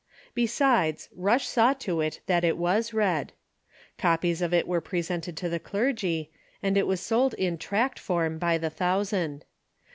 Besides, Rush saw to it that it was read. Copies of it were presented to the clergy, and it Avas sold in tract form by the thousand.